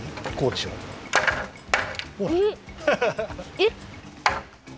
えっ！？